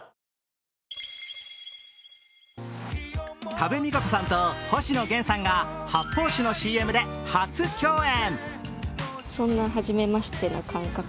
多部未華子さんと星野源さんが発泡酒のＣＭで初共演。